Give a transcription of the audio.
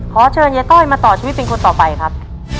ขอเชิญยายต้อยมาต่อชีวิตเป็นคนต่อไปครับ